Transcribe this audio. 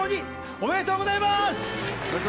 おめでとうございます！